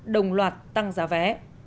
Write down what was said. đồng loạt tăng giá vé